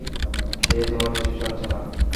সে তোমার পিছু ছাড়ছে না।